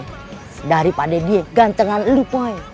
hai daripada dia gantengan lu poin